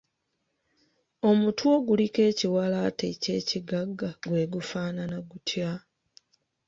Omutwe oguliko ekiwalaata eky’ekigagga gwe gufaanana gutya?